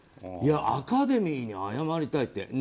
いや、アカデミーに謝りたいって。